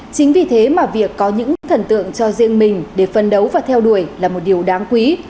chính vì thế mà việc có những thần tượng cho riêng mình để phân đấu và theo đuổi là một điều đáng quý